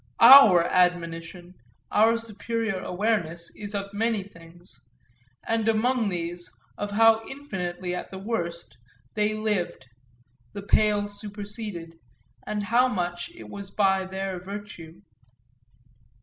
Our admonition, our superior awareness, is of many things and, among these, of how infinitely, at the worst, they lived, the pale superseded, and how much it was by their virtue.